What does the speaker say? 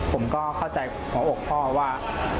ผมก็เข้าใจหัวอกพ่อว่า